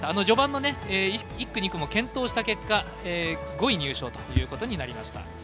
序盤の１区、２区も健闘した結果５位入賞ということになりました。